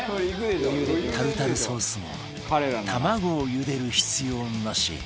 タルタルソースも卵をゆでる必要なし